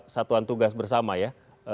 satuan tugas bersama ya